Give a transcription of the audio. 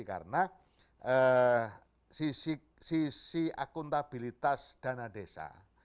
karena sisi akuntabilitas dana desa